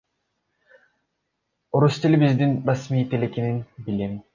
Орус тили биздин расмий тил экенин билем.